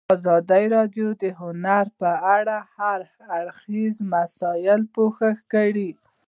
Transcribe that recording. ازادي راډیو د هنر په اړه د هر اړخیزو مسایلو پوښښ کړی.